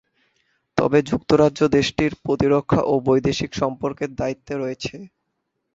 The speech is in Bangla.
তবে যুক্তরাজ্য দেশটির প্রতিরক্ষা ও বৈদেশিক সম্পর্কের দায়িত্বে রয়েছে।